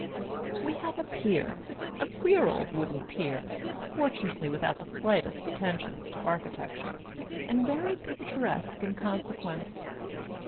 We have a pier — a queer old wooden pier, fortunately without the slightest pretensions to architecture, and very picturesque in con sequence.